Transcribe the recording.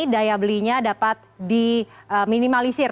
daya belinya dapat diminimalisir